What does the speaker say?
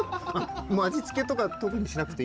味付けとか特にしなくていい？